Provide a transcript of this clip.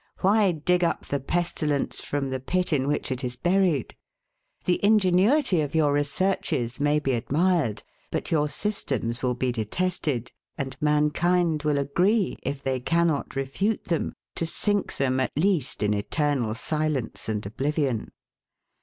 Why dig up the pestilence from the pit in which it is buried? The ingenuity of your researches may be admired, but your systems will be detested; and mankind will agree, if they cannot refute them, to sink them, at least, in eternal silence and oblivion.